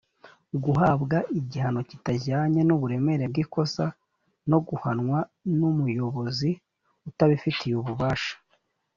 guhabwa igihano kitajyanye n uburemere bw ikosa no guhanwa n umuyobozi utabifitiye ububasha